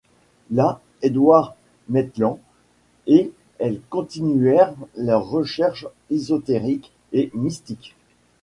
Là, Edward Maitland et elle continuèrent leurs recherches ésotériques et mystiques.